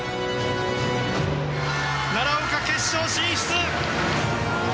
奈良岡、決勝進出！